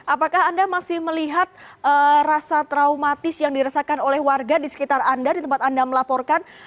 apakah anda masih melihat rasa traumatis yang dirasakan oleh warga di sekitar anda di tempat anda melaporkan